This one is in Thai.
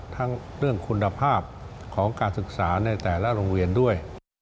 ทั้งเรื่องคุณภาพของการศึกษาในแต่ละโรงเรียนด้วย